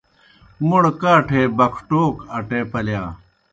موْڑ کاٹھے بکھٹَوک اٹے پلِیا۔